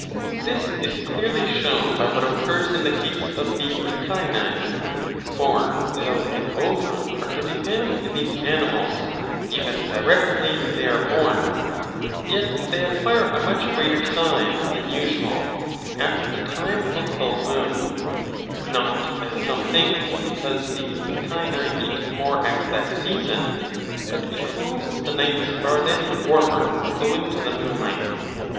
This is clearly shown by what occurs in the case of the Echini. For though the ova are to be found in these animals even directly they are born, yet they acquire a much greater size than usual at the time of full moon ;• not, as some think, because the Echini eat more at that season, but because the nights are then warmer, owing to the moonlight.